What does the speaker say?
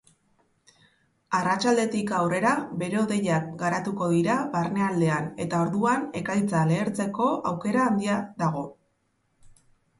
Arratsaldetik aurrera bero-hodeiak garatuko dira barnealdean eta orduan ekaitza lehertzeko aukera handia dago.